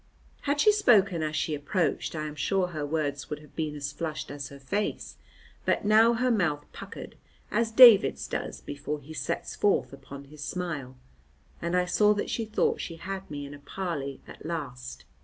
Had she spoken as she approached, I am sure her words would have been as flushed as her face, but now her mouth puckered as David's does before he sets forth upon his smile, and I saw that she thought she had me in a parley at last.